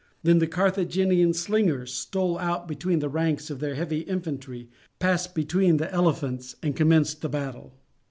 Then the Carthaginian slingers stole out between the ranks of their heavy infantry, passed between the elephants, and commenced the battle.